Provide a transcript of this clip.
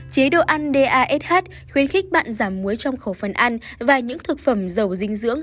chế độ ăn dash khuyến khích bạn giảm muối trong khẩu phần ăn và những thực phẩm dầu dinh dưỡng